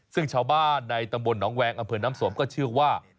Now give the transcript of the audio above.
ซึ่งชาวบ้านในตำบลหนองแวงอำเภอน้ำสมก็เชื่อว่า